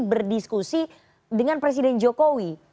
berdiskusi dengan presiden jokowi